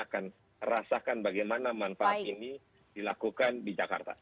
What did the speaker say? akan rasakan bagaimana manfaat ini dilakukan di jakarta